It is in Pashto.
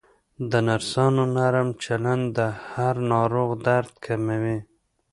د نرسانو نرم چلند د هر ناروغ درد کموي.